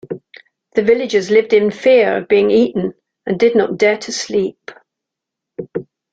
The villagers lived in fear of being eaten and did not dare to sleep.